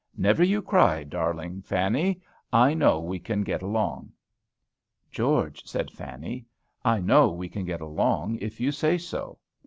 Never you cry, darling Fanny, I know we can get along." "George," said Fanny, "I know we can get along if you say so.